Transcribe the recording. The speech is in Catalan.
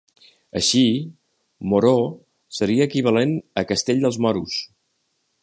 Així, Moror seria equivalent a castell dels moros.